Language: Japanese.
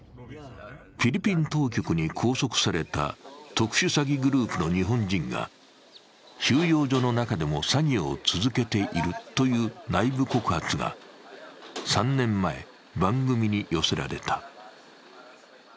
フィリピン当局に拘束された特殊詐欺グループの日本人が、収容所の中でも詐欺を続けているという内部告発が３年前、番組に寄せられた。